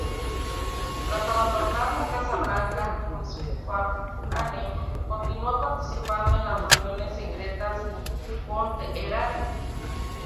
Tras abandonar la Casa Blanca, McFarlane continuó participando en las reuniones secretas con Teherán.